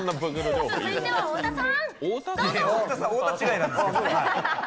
太田違いなんですけど。